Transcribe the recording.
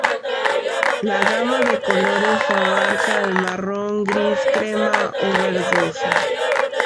La gama de colores abarca el marrón, gris, crema o verdoso.